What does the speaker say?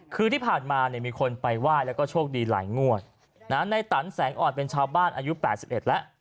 คือที่ผ่านมาเนี่ยมีคนไปไหว้แล้วก็โชคดีหลายงวดในตันแสงอ่อนเป็นชาวบ้านอายุ๘๑แล้ว